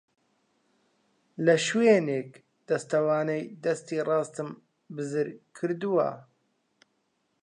لە شوێنێک دەستوانەی دەستی ڕاستم بزر کردووە.